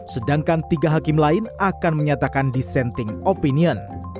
sedangkan tiga hakim lain akan menyatakan dissenting opinion